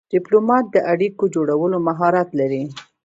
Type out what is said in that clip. ډيپلومات د اړیکو جوړولو مهارت لري.